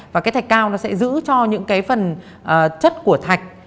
và thạch cao sẽ giữ cho những phần chất của thạch